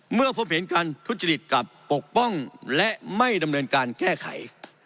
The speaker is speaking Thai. เมื่อพบเห็นการทุจริตกับปกป้องและไม่ดำเนินการแก้ไข